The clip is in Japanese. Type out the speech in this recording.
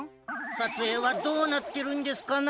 さつえいはどうなってるんですかな？